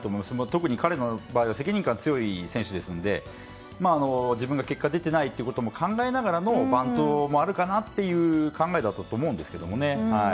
特に彼の場合は責任感が強い選手ですので自分が結果出ていないということも考えながらのバントもあるかなという考えだったと思うんですけどね。